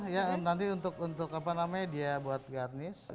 ya nanti untuk apa namanya dia buat garnish